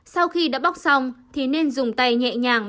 sau khi đã bóc xong thì nên dùng tay nhẹ nhàng